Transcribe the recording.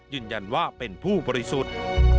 ยืนยันว่าเป็นผู้บริสุทธิ์